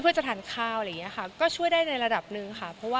เคยทานยาบล็อกไขมันเพื่อจะทานข้าวช่วยได้ในระดับหนึ่ง